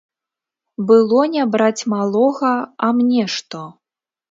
Было не браць малога, а мне што?